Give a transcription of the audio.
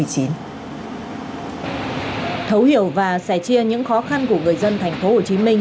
thấu hiểu và sẻ chia những khó khăn của người dân thành phố hồ chí minh